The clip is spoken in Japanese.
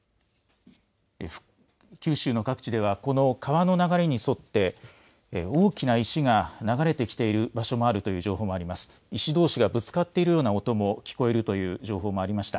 九州の各地ではこの川の流れに沿って大きな石が流れてきている場所もあるという情報があります。